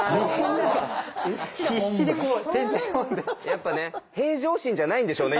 やっぱね平常心じゃないんでしょうね